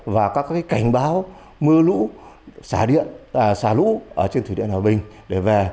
và các cảnh báo mưa lũ xả lũ trên thủy điện hòa bình để về